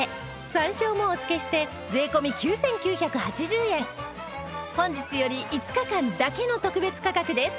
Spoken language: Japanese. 山椒もお付けして税込９９８０円本日より５日間だけの特別価格です